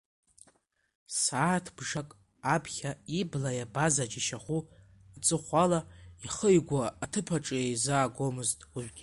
Сааҭбжак аԥхьа ибла иабаз аџьашьахәы аҵыхәала, ихы-игәы аҭыԥ аҿы изаагомызт уажәгьы.